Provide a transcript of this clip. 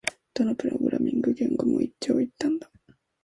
どのプログラミング言語も一長一短だ